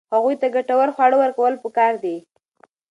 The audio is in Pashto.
هغوی ته ګټور خواړه ورکول پکار دي.